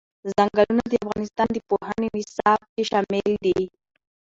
ځنګلونه د افغانستان د پوهنې نصاب کې شامل دي.